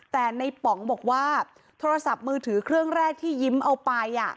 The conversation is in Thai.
แต่ในป๋องบอกว่าโทรศัพท์มือถือเครื่องแรกที่ยิ้มเอาไป